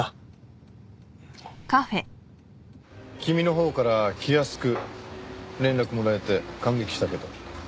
君のほうから気安く連絡もらえて感激したけど。